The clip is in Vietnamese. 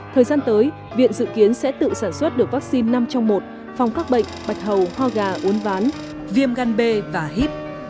thời gian tới viện dự kiến sẽ tự sản xuất được vaccine năm trong một phòng các bệnh bạch hầu hoa gà uốn ván viêm gan bê và hiếp